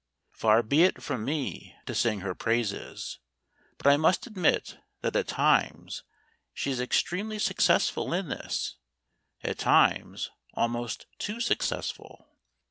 Far be it from me to sing her praises, but I must admit that at times she is extremely successful in this at times almost too successful.